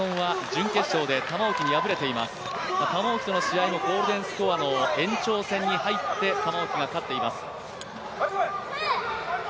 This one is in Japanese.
玉置との試合もゴールデンスコアの延長戦に入って玉置が勝っています。